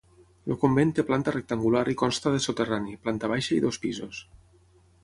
El convent té planta rectangular i consta de soterrani, planta baixa i dos pisos.